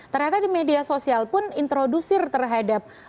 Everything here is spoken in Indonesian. ternyata di media sosial pun introdusir terhadap